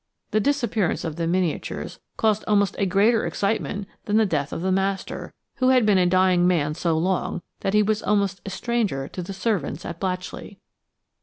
The disappearance of the miniatures caused almost a greater excitement than the death of the master, who had been a dying man so long that he was almost a stranger to the servants at Blatchley.